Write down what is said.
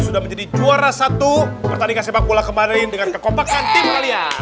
sudah menjadi juara satu pertandingan sepak bola kemarin dengan kekompakan tim alia